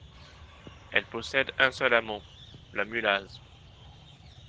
Elle possède un seul hameau, la Mulaz.